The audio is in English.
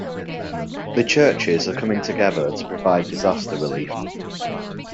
The churches are coming together to provide disaster relief.